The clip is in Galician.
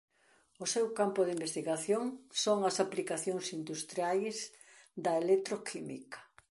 O seu campo de investigación son as aplicacións industriais da electroquímica.